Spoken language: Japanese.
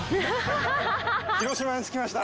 広島に着きました。